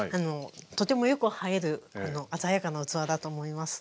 とてもよく映える鮮やかな器だと思います。